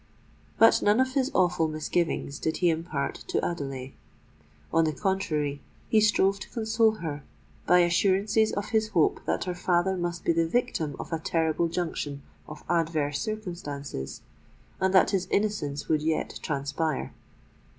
But none of his awful misgivings did he impart to Adelais. On the contrary, he strove to console her by assurances of his hope that her father must be the victim of a terrible junction of adverse circumstances, and that his innocence would yet transpire.